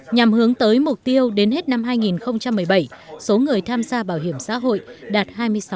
nhằm hướng tới mục tiêu đến hết năm hai nghìn một mươi bảy số người tham gia bảo hiểm xã hội đạt hai mươi sáu